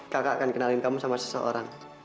kakak akan kenalin kamu sama seseorang